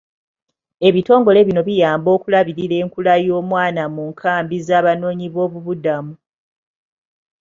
Ebitongole bino biyamba okulabirira enkula y'omwana mu nkaambi z'abanoonyi b'obubuddamu.